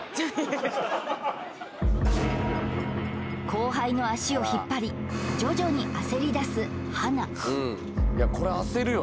後輩の足を引っ張り徐々に焦りだすはな